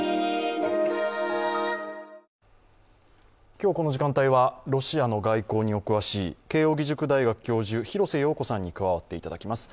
今日、この時間帯はロシアの外交にお詳しい慶応義塾大学教授・廣瀬陽子さんに加わっていただきます。